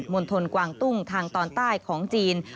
ณฑลกวางตุ้งทางตอนใต้ของจีน